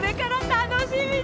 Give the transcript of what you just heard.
楽しみね。